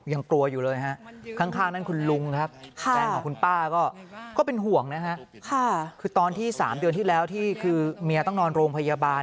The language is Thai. ยังกลัวอยู่เลยฮะข้างนั้นคุณลุงครับแฟนของคุณป้าก็เป็นห่วงนะฮะคือตอนที่๓เดือนที่แล้วที่คือเมียต้องนอนโรงพยาบาล